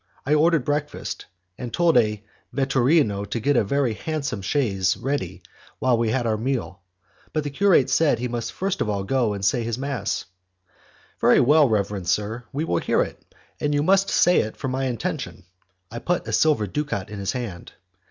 I ordered breakfast, and told a 'vetturino' to get a very handsome chaise ready while we had our meal, but the curate said that he must first of all go and say his mass. "Very well, reverend sir, we will hear it, and you must say it for my intention." I put a silver ducat in his hand.